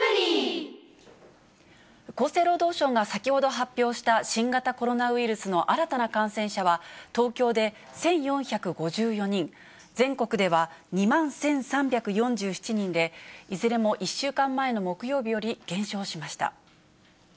厚生労働省が先ほど発表した新型コロナウイルスの新たな感染者は、東京で１４５４人、全国では２万１３４７人で、いずれも１週間前の木曜日より減少しました。